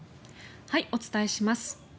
お伝えします。